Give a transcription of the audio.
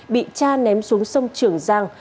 bị cha ném xuống sông trường giang